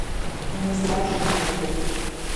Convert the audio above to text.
Я не здраджу ніколі табе.